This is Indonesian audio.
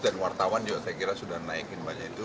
dan wartawan juga sudah naikin bannya itu